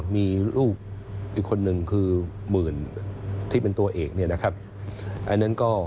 มีลูกอีกคนหนึ่งคือเหมือนที่เป็นตัวเอก